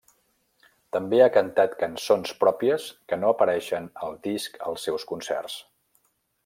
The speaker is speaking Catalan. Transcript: També ha cantat cançons pròpies que no apareixen al disc als seus concerts.